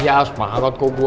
iya semangat kok gue